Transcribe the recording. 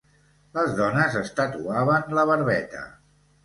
Les dones es tatuaven la barbeta.